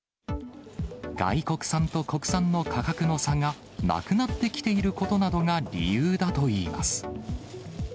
外国産と国産の価格の差がなくなってきていることなどが理由だといいます。